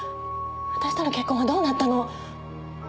私との結婚はどうなったの！？